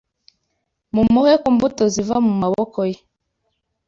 Mumuhe ku mbuto ziva mu maboko ye